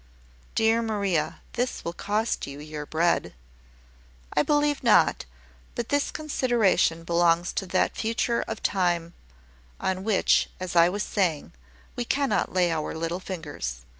"Dear Maria, this will cost you your bread." "I believe not; but this consideration belongs to that future of time on which, as I was saying, we cannot lay our little fingers.